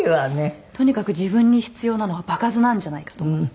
とにかく自分に必要なのは場数なんじゃないかと思って。